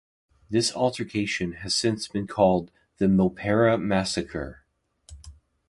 This altercation has since been called the 'Milperra Massacre'.